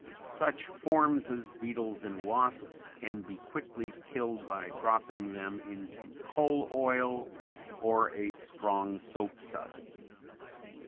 Such forms as beetles and wasps can be quickly killed by dropping them into coal oil or a strong soap suds.